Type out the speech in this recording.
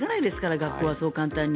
学校はそう簡単に。